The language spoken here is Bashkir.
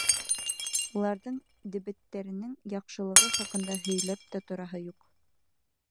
Уларҙың дебеттәренең яҡшылығы хаҡында һөйләп тә тораһы юҡ.